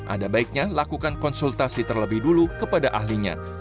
ada baiknya lakukan konsultasi terlebih dulu kepada ahlinya